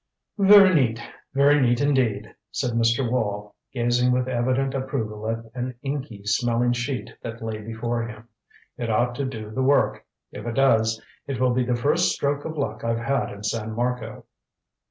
"Very neat. Very neat indeed," said Mr. Wall, gazing with evident approval at an inky smelling sheet that lay before him. "It ought to do the work. If it does, it will be the first stroke of luck I've had in San Marco."